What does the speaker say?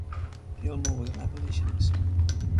Gilmore was an abolitionist.